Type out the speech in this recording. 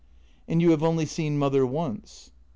" And you have only seen mother once?